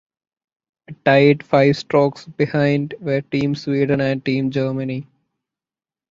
Tied five strokes behind were team Sweden and team Germany.